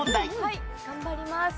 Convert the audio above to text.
はい頑張ります。